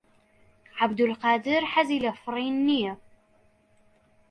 عەبدولقادر حەزی لە فڕین نییە.